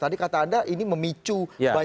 tadi kata anda ini memicu banyak orang